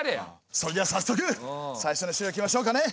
それではさっそく最初の資料いきましょうかね。